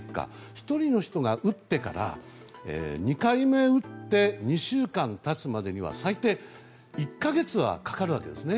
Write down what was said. １人の人が打ってから、２回目を打って２週間経つまでには最低１か月はかかるわけですね。